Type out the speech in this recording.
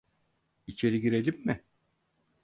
İçeri girelim mi?